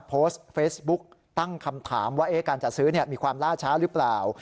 โพสต์เฟซบุ๊กตั้งคำถามว่าการจัดซื้อมีความล่าช้าหรือเปล่า